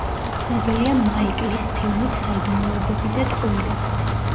ცნობილია მაიკ ლის ფილმით „საიდუმლოებები და ტყუილები“